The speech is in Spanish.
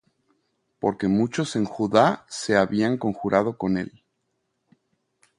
Porque muchos en Judá se habían conjurado con él,